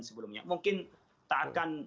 sebelumnya mungkin tak akan